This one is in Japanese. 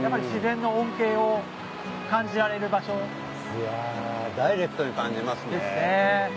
いやダイレクトに感じますね。ですね。